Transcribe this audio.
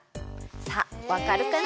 さあわかるかな？